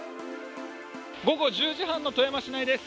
午後１０時半の富山市内です。